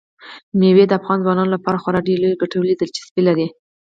مېوې د افغان ځوانانو لپاره خورا ډېره لویه کلتوري دلچسپي لري.